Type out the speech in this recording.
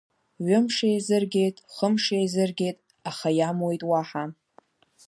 Ҩымш еизыргеит, хымш еизыргеит, аха иамуит уаҳа.